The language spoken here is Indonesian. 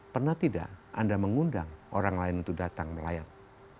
pernah tidak anda mengundang orang lain untuk datang melayang